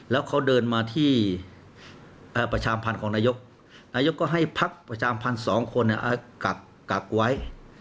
แล้วเขาเดินมาที่ประชามพันธ์ของนายกนายกก็ให้พักประชามพันธ์๒คนกักไว้